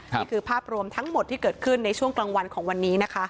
นี่คือภาพรวมทั้งหมดที่เกิดขึ้นในช่วงกลางวันของวันนี้นะคะ